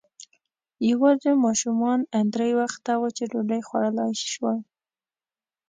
يواځې ماشومانو درې وخته وچه ډوډۍ خوړلی شوای.